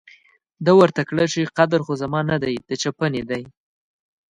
ده ورته کړه چې قدر خو زما نه دی، د چپنې دی.